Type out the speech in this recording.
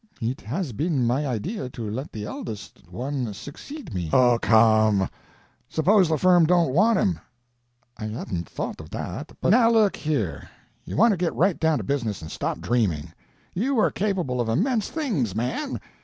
"It has been my idea to let the eldest one succeed me—" "Oh, come! Suppose the firm don't want him?" "I hadn't thought of that, but—" "Now, look here; you want to get right down to business and stop dreaming. You are capable of immense things—man.